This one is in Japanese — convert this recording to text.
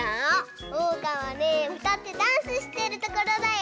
おうかはねうたってダンスしてるところだよ。